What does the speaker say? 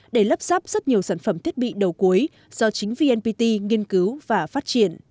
để lắp sáp rất nhiều sản phẩm thiết bị đầu cuối do chính vnpt nghiên cứu và phát triển